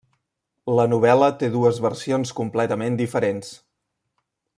La novel·la té dues versions completament diferents.